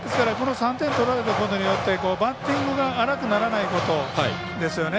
３点取られたことによってバッティングが荒くならないことですよね。